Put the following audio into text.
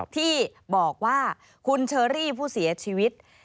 ที่บอกว่าคุณเชอรี่ผู้เสียชีวิต